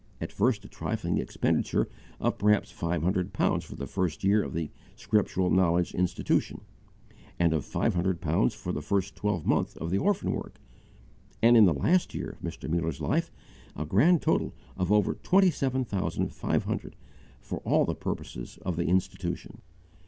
At first a trifling expenditure of perhaps five hundred pounds for the first year of the Scriptural Knowledge Institution, and of five hundred pounds for the first twelve month of the orphan work, and in the last year of Mr. Muller's life a grand total of over twenty seven thousand five hundred, for all the purposes of the Institution.